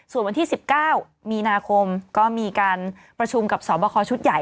ส่วนวันที่๑๙มีนาคมก็มีการประชุมกับสอบคอชุดใหญ่